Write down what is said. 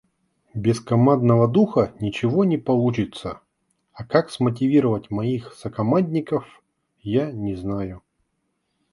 Без командного духа ничего не получится, а как смотивировать моих сокомандников, я не знаю.